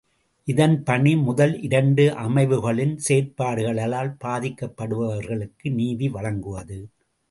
இதன் பணி முதல் இரண்டு அமைவுகளின் செயற்பாடுகளால் பாதிக்கப்படுபவர்களுக்கு நீதி வழங்குவது.